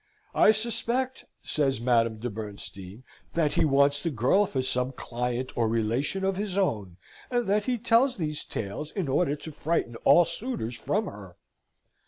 "I suspect," says Madame de Bernstein, "that he wants the girl for some client or relation of his own; and that he tells these tales in order to frighten all suitors from her.